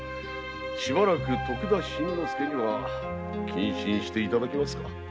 しばらく徳田新之助には謹慎していただきますか。